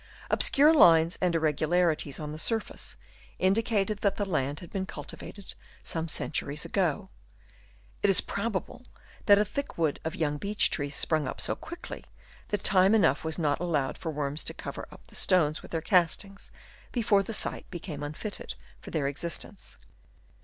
Obscure lines and irregularities on the sur face indicated that the land had been cul tivated some centuries ago. It is probable that a thick wood of young beech trees sprung up so quickly, that time enough was not allowed for worms to cover up the stones with their castings, before the site became unfitted for their existence.